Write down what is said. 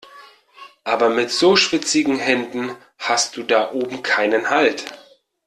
Aber mit so schwitzigen Händen hast du da oben keinen Halt.